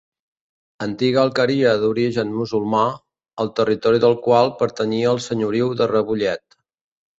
Antiga alqueria d'origen musulmà, el territori del qual pertanyia al Senyoriu de Rebollet.